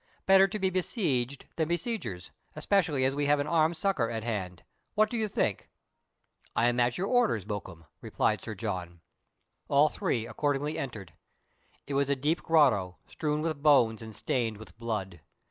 Better to be besieged than besiegers, especially as we have an armed succour at hand. What do you think ?"" I am at your orders, Mokoum," replied Sir John. All three accordingly entered. It was a deep grotto, strewn with bones and stained with blood.